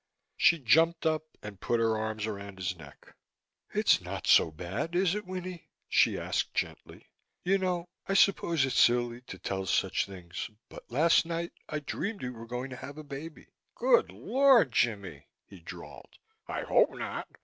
She jumped up and put her arms around his neck. "It's not so bad, is it, Winnie?" she asked gently. "You know I suppose it's silly to tell such things but last night I dreamed we were going to have a baby." "Good Lord, Jimmie!" he drawled. "I hope not.